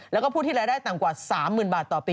แล้วก็ผู้ที่รายได้ต่ำกว่า๓๐๐๐บาทต่อปี